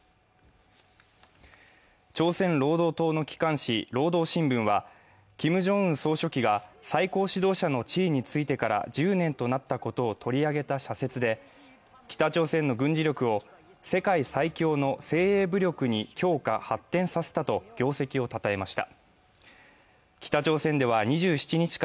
朝鮮労働党の機関紙「労働新聞」は、キム・ジョンウン総書記が最高指導者の地位についてから１０年となったことを取り上げた社説で北朝鮮の軍事力を世界最強の精鋭武力に強化・発展させたと業績をたたえました。